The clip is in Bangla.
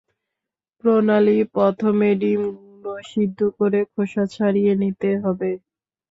প্রণালি প্রথমে ডিমগুলো সেদ্ধ করে খোসা ছাড়িয়ে নিতে হবে।